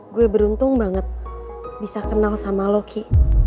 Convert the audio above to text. gue beruntung banget bisa kenal sama lo ki